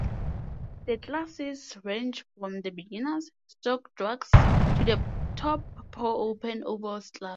The Classes range from the beginners' Stock Drags to the top Pro-Open Ovals Class.